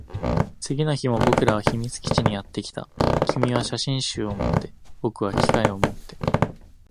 次の日も僕らは秘密基地にやってきた。君は写真集を持って、僕は機械を持って。